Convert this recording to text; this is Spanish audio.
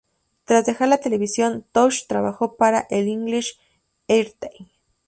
Tras dejar la televisión, Tosh trabajó para el English Heritage.